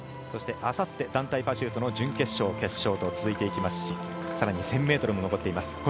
そしてあさって団体パシュートの準決勝、決勝と続いていきますしさらに１０００ｍも残っています。